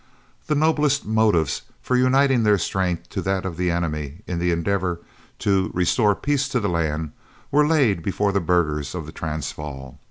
The noblest motives for uniting their strength to that of the enemy, in the endeavour "to restore peace to the land," were laid before the burghers of the Transvaal.